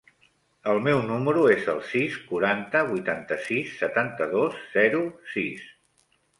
El meu número es el sis, quaranta, vuitanta-sis, setanta-dos, zero, sis.